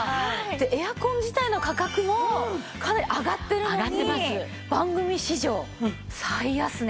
エアコン自体の価格もかなり上がってるのに番組史上最安値。